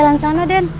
pembatan jalan sana den